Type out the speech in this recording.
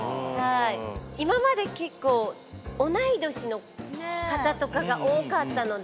今まで結構同い年の方とかが多かったので。